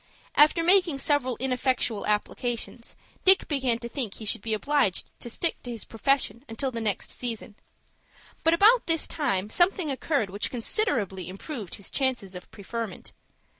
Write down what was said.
After making several ineffectual applications, Dick began to think he should be obliged to stick to his profession until the next season. But about this time something occurred which considerably improved his chances of preferment.